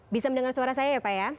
bisa mendengar suara saya ya pak ya